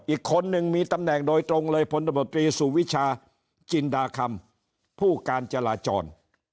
อีกคนนึงมีตำแหน่งโดยตรงเลยพลตำรวจตรีสุวิชาจินดาคำผู้การจราจร